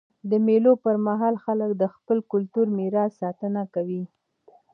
د مېلو پر مهال خلک د خپل کلتوري میراث ساتنه کوي.